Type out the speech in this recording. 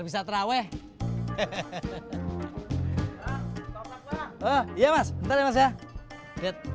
gak sampe malam det